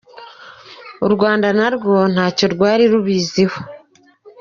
U Rwanda narwo ntacyo rwari rubiziho.